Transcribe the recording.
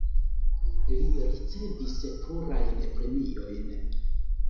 Li ricevis plurajn premiojn.